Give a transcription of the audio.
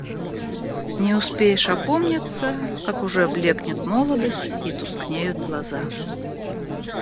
Не успеешь опомниться, как уже блекнет молодость и тускнеют глаза.